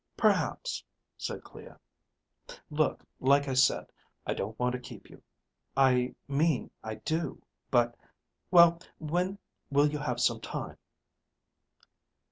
"Perhaps," said Clea. "Look, like I said, I don't want to keep you I mean I do, but. Well, when will you have some time?"